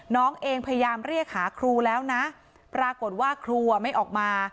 น้องเองพยายามเรียกหาครูแล้วนะปรากฏว่าครูไม่ออกมา